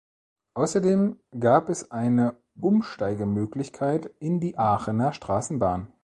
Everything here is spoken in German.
Außerdem gab es eine Umsteigemöglichkeit in die Aachener Straßenbahn.